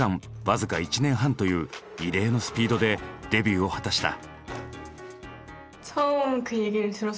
僅か１年半という異例のスピードでデビューを果たした。